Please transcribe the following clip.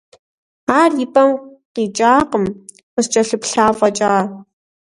Ар и пӀэм къикӀакъым, къыскӀэлъыплъа фӀэкӀа.